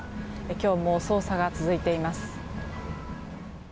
今日も捜査が続いています。